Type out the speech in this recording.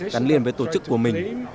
gắn liền với tổ chức của mình